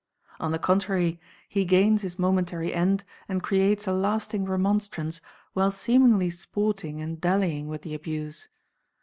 On the contrary, he gains his momentary end and creates a lasting remonstrance while seemingly sporting and dallying with the abuse.